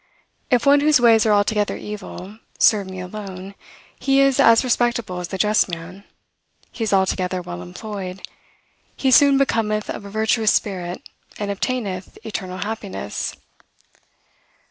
If one whose ways are altogether evil, serve me alone, he is as respectable as the just man; he is altogether well employed; he soon becometh of a virtuous spirit, and obtaineth eternal happiness."